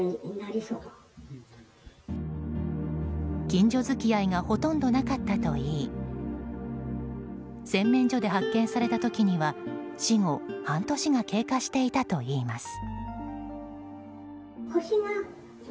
近所付き合いがほとんどなかったといい洗面所で発見された時には死後半年が経過していたといいます。